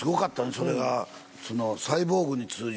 それが。